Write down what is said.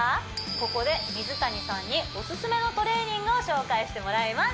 ここで水谷さんにオススメのトレーニングを紹介してもらいます